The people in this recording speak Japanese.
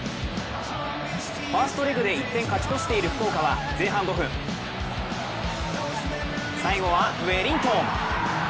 ファーストレグで１点勝ち越している福岡は前半５分、最後はウェリントン。